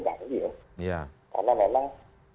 ganti ya karena memang